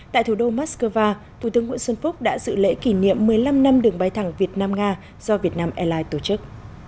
tại thủ đô moscow thủ tướng nguyễn xuân phúc đã dự lễ kỷ niệm một mươi năm năm đường bay thẳng việt nam nga do việt nam airlines tổ chức